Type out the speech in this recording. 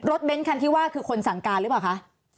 เน้นคันที่ว่าคือคนสั่งการหรือเปล่าคะ